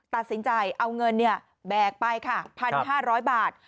ตัดสินใจเอาเงินแบกไปค่ะ๑๕๐๐บาท